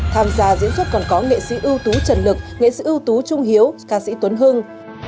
tham gia diễn xuất còn có nghệ sĩ ưu tú trần lực nghệ sĩ ưu tú trung hiếu ca sĩ tuấn hưng